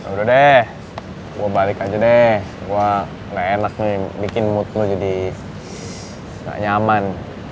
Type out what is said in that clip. udah deh gua balik aja deh gua enak nih bikin mood jadi nyaman